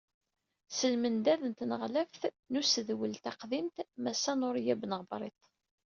S lmendad n Tneɣlaft n Usedwel taqdimt Massa Nurya Ben Ɣebriṭ.